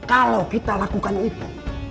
kalau kita lakukan itu